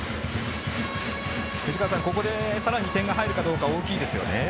ここでさらに点が入るかどうか大きいですね。